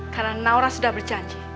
karena naura sudah berjanji